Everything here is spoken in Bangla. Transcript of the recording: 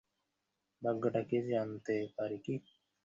ভাগ্যটা কী জানতে পারি কি?